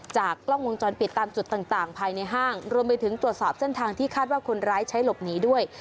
จากกล้องวงจรปิดตามจุดต่างภายในห้างรวมไปถึงตรวจสอบเส้นทางที่คาดว่าคนร้ายใช้หลบหนีด้วย